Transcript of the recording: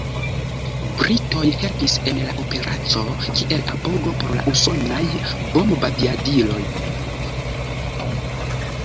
Britoj helpis en la Operaco kiel apogo por la usonaj bombaviadiloj.